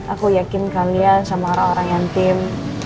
aku yakin kalian sama orang yang tim